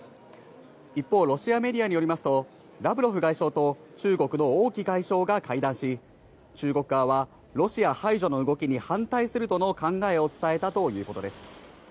一方、ロシアメディアによりますと、ラブロフ外相と中国の王毅外相が会談し、中国側はロシア排除の動きに反対するとの考えを伝えたということです。